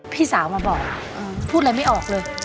พี่สาวมาบอกพูดอะไรไม่ออกเลย